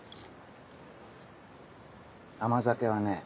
甘酒はね